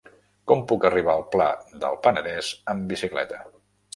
Com puc arribar al Pla del Penedès amb bicicleta?